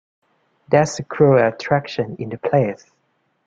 There's a cruel attraction in the place.